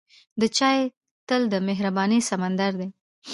د چای تل د مهربانۍ سمندر دی.